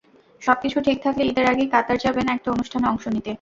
সবকিছু ঠিক থাকলে ঈদের আগেই কাতার যাবেন একটা অনুষ্ঠানে অংশ নিতে।